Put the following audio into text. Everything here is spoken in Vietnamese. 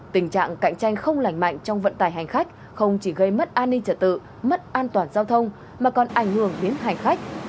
tình trạng cạnh tranh không lành mạnh trong vận tải hành khách không chỉ gây mất an ninh trật tự mất an toàn giao thông mà còn ảnh hưởng đến hành khách